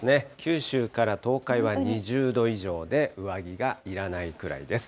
九州から東海は２０度以上で、上着がいらないくらいです。